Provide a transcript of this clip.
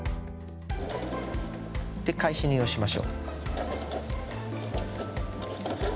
で返し縫いをしましょう。